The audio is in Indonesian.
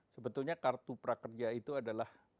sebetulnya kartu prakerja itu adalah